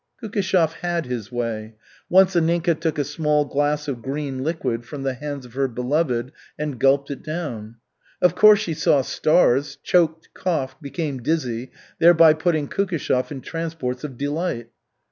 Kukishev had his way. Once Anninka took a small glass of green liquid from the hands of her "beloved" and gulped it down. Of course she saw stars, choked, coughed, became dizzy, thereby putting Kukishev in transports of delight.